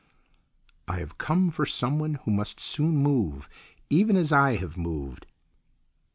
"I have come for someone who must soon move, even as I have moved."